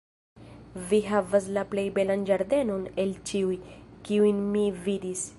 "Vi havas la plej belan ĝardenon el ĉiuj, kiujn mi vidis!"